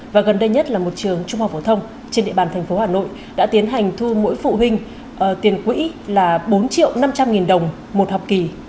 và gần đây nhất là một trường trung học phổ thông trên địa bàn tp hcm đã tiến hành thu mỗi phụ huynh tiền quỹ là bốn triệu năm trăm linh nghìn đồng một học kỳ